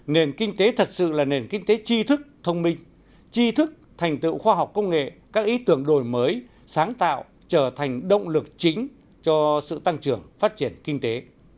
nền kinh tế thật sự là nền kinh tế chi thức thông minh chi thức thành tựu khoa học công nghệ các ý tưởng đổi mới sáng tạo trở thành động lực chính cho sự tăng trưởng phát triển kinh tế